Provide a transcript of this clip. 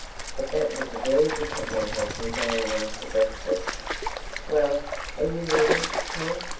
_" But that was a very different matter from saying after breakfast: "Well, are you ready, Con?"